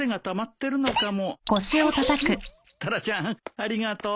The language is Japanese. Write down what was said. タラちゃんありがとう。